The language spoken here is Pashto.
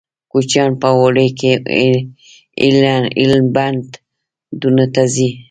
کوچیان په اوړي کې ایلبندونو ته ځي